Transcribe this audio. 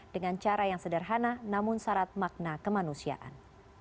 dengan cara yang sederhana namun syarat makna kemanusiaan